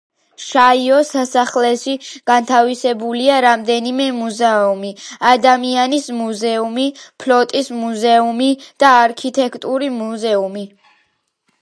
შაიოს სასახლეში განთავსებულია რამდენიმე მუზეუმი: ადამიანის მუზეუმი, ფლოტის მუზეუმი და არქიტექტურის მუზეუმი.